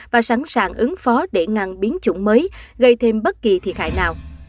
và sẵn sàng ứng phó để ngăn biến chủng mới gây thêm bất kỳ thiệt hại nào